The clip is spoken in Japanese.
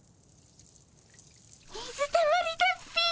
水たまりだっピィ。